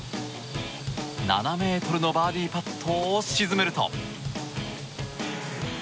７ｍのバーディーパットを沈めると。